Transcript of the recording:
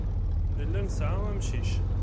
Nella nesɛa amcic.